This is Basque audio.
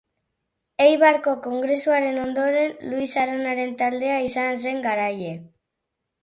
Eibarko kongresuaren ondoren, Luis Aranaren taldea izan zen garaile.